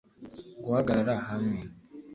guhagarara hamwe